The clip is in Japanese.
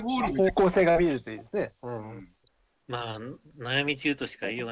方向性が見えるといいですね。